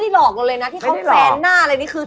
ที่แบบว่าเขามุนแล้วหน้าเขายังอยู่